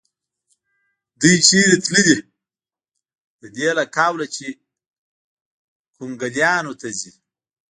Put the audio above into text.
دوی چېرې تلې؟ د دې له قوله چې کونګلیانو ته ځي.